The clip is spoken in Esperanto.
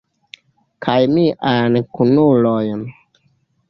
Kaj miajn kunulojn?